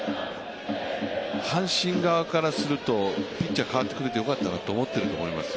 阪神側からするとピッチャー代わってくれてよかったなと思っていると思いますよ。